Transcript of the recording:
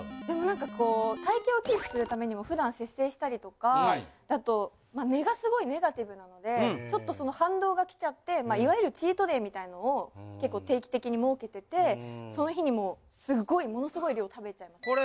でも何かこう体型をキープするためにも普段節制したりとかあと根がすごいネガティブなのでちょっとその反動が来ちゃっていわゆるチートデイみたいなのを結構定期的に設けててその日にもうすっごいものすごい量を食べちゃいます。